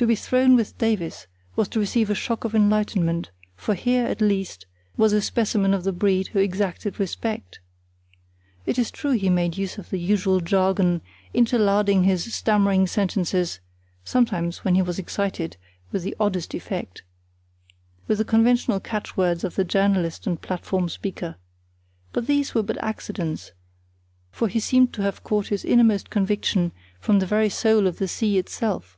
To be thrown with Davies was to receive a shock of enlightenment; for here, at least, was a specimen of the breed who exacted respect. It is true he made use of the usual jargon, interlarding his stammering sentences (sometimes, when he was excited, with the oddest effect) with the conventional catchwords of the journalist and platform speaker. But these were but accidents; for he seemed to have caught his innermost conviction from the very soul of the sea itself.